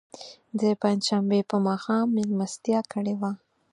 د پنج شنبې په ماښام میلمستیا کړې وه.